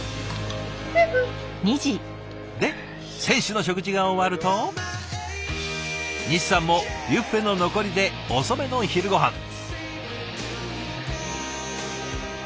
で選手の食事が終わると西さんもビュッフェの残りで遅めの昼ごはん。